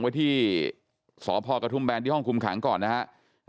ไว้ที่สพกระทุ่มแบนที่ห้องคุมขังก่อนนะฮะ